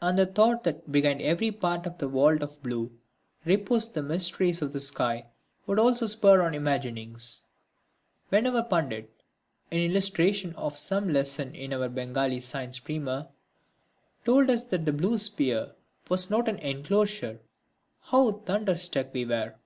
And the thought that behind every part of the vault of blue reposed the mysteries of the sky would also spur our imaginings. When our Pundit, in illustration of some lesson in our Bengali science primer, told us that the blue sphere was not an enclosure, how thunderstruck we were!